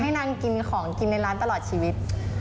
นางกินของกินในร้านตลอดชีวิต